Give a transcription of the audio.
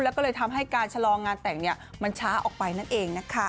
แล้วก็เลยทำให้การชะลองานแต่งมันช้าออกไปนั่นเองนะคะ